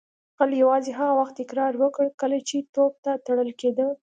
غل یوازې هغه وخت اقرار وکړ کله چې توپ ته تړل کیده